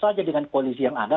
saja dengan koalisi yang ada